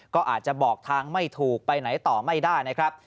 ก็อาจจะบอกทางไม่ถูกไปไหนต่อไม่ได้นะครับ